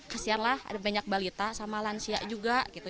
kesianlah ada banyak balita sama lansia juga gitu